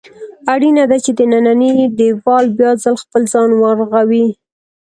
اړینه ده چې دننی دېوال بیا ځل خپل ځان ورغوي.